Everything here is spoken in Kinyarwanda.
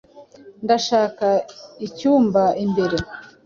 Ndashaka icyumba imbere.